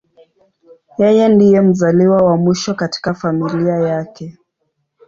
Yeye ndiye mzaliwa wa mwisho katika familia yake.